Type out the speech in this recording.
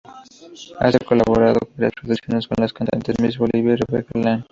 Ha colaborado en varias producciones con las cantantes Miss Bolivia y Rebeca Lane.